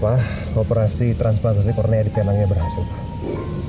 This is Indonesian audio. pak operasi transplantasi kornea di penangnya berhasil pak